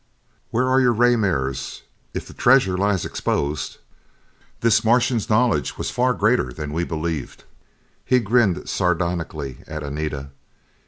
"Where are your ray mirrors? If the treasure lies exposed " This Martian's knowledge was far greater than we believed. He grinned sardonically at Anita.